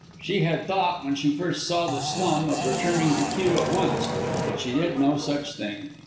She had thought, when she first saw the slum, of returning to Kew at once, but she did no such thing.